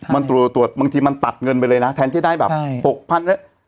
มันตรวจบางทีมันตัดเงินไปเลยนะแทนที่ได้แบบ๖๐๐๐แล้ว